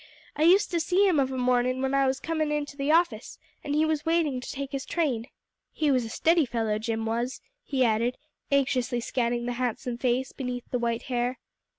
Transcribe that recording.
I used to see him of a morning when I was coming to the office, and he was waiting to take his train. He was a steady fellow, Jim was," he added, anxiously scanning the handsome face beneath the white hair.